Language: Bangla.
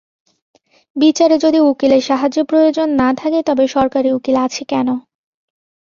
বিচারে যদি উকিলের সাহায্যের প্রয়োজন না থাকে তবে সরকারি উকিল আছে কেন?